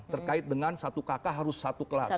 terkait dengan satu kakak harus satu kelas